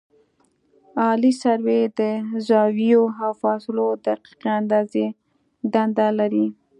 عالي سروې د زاویو او فاصلو د دقیقې اندازې دنده لري